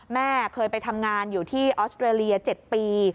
แม่เคยไปทำงานอยู่ที่ออสเตรเลีย๗ปี